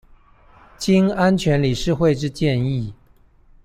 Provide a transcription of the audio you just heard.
經安全理事會之建議